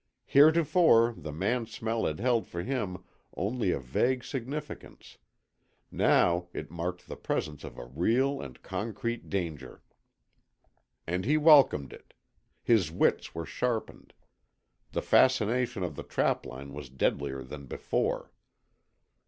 Heretofore the man smell had held for him only a vague significance; now it marked the presence of a real and concrete danger. And he welcomed it. His wits were sharpened. The fascination of the trapline was deadlier than before.